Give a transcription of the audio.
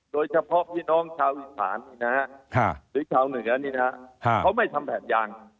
โดยเฉพาะพี่น้องชาวอีสานหรือชาวเหนือนี่นะเขาไม่ทำแผ่นยาง